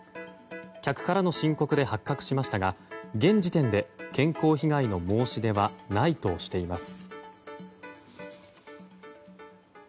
客からの申告で発覚しましたが現時点で健康被害の申し出はないとしています。